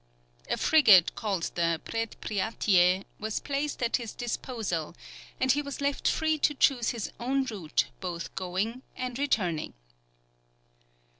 A frigate called the Predpriatie was placed at his disposal, and he was left free to choose his own route both going and returning.